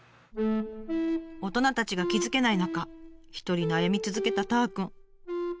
大人たちが気付けない中一人悩み続けたたーくん。